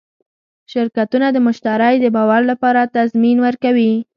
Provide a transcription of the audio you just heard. شرکتونه د مشتری د باور لپاره تضمین ورکوي.